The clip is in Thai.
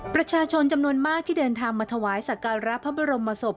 ประชาชนจำนวนมากที่เดินทางมาถวายสักการะพระบรมศพ